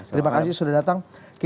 terima kasih sudah datang